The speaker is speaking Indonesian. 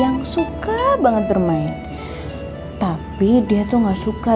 aku gak suka gelap aku gak suka malem